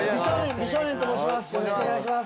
美少年と申します。